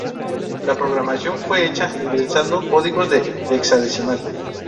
La programación fue hecha ingresando códigos en hexadecimal.